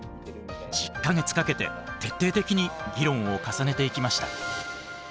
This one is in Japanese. １０か月かけて徹底的に議論を重ねていきました。